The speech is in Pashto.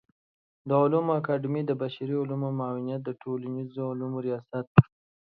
د علومو اکاډمۍ د بشري علومو معاونيت د ټولنيزو علومو ریاست